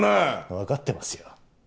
わかってますよ。